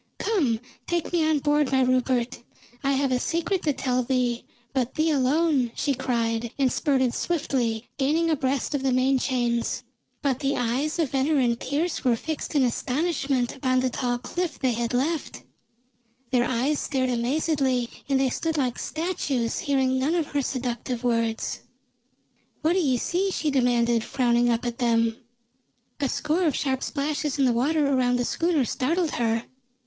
"Come, take me on board, my Rupert. I have a secret to tell thee, but thee alone!" she cried, and spurted swiftly, gaining abreast of the main chains. But the eyes of Venner and Pearse were fixed in astonishment upon the tall cliff they had left; their eyes stared amazedly, and they stood like statues, hearing none of her seductive words. "What do ye see?" she demanded, frowning up at them. A score of sharp splashes in the water around the schooner startled her.